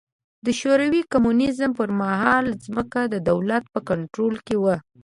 د شوروي کمونېزم پر مهال ځمکه د دولت په کنټرول کې وه.